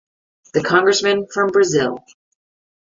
The Congressmen from Brazil.